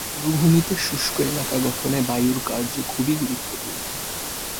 মরুভূমিতে শুষ্ক এলাকা গঠনে বায়ুর কার্য খুবই গুরুত্বপূর্ণ।